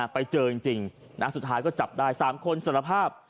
ไปเจอจริงสุดท้ายก็จับได้๓คนสารภาพ